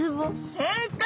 正解！